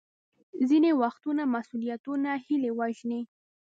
ځینې وختونه مسوولیتونه هیلې وژني.